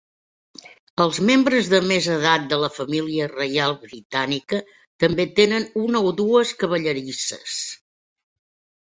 Els membres de més edat de la família reial britànica també tenen una o dues cavallerisses.